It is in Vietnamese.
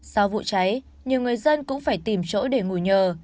sau vụ cháy nhiều người dân cũng phải tìm chỗ để ngủ nhờ